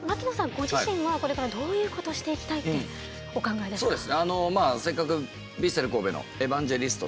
ご自身はこれからどういうことをしていきたいってお考えですか。